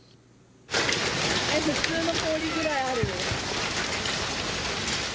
普通の氷ぐらいあるよ。